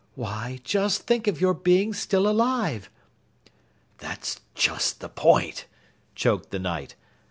"Why, just think of your being still alive!" "That's just the point," choked the Knight.